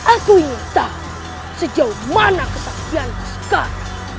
aku ingin tahu sejauh mana kesaktianku sekarang